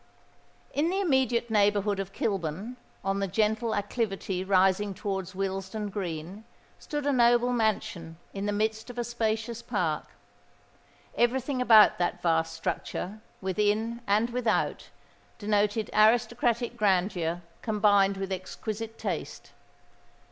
In the immediate neighbourhood of Kilburn on the gentle acclivity rising towards Wilsden Green, stood a noble mansion in the midst of a spacious park. Every thing about that vast structure, within and without, denoted aristocratic grandeur combined with exquisite taste.